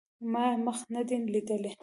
ما یې مخ نه دی لیدلی